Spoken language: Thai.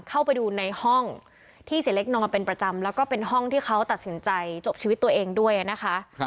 เข้าไปดูในห้องที่เสียเล็กนอนเป็นประจำแล้วก็เป็นห้องที่เขาตัดสินใจจบชีวิตตัวเองด้วยนะคะ